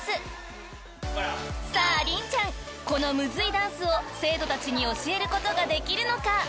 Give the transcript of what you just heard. ［さあ凛ちゃんこのむずいダンスを生徒たちに教えることができるのか？］